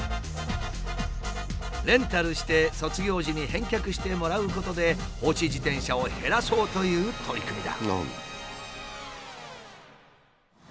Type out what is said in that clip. レンタルして卒業時に返却してもらうことで放置自転車を減らそうという取り組みだ。